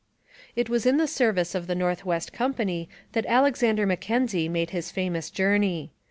It was in the service of the North West Company that Alexander Mackenzie made his famous journey.